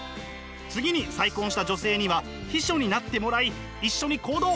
次に再婚した女性には秘書になってもらい一緒に行動！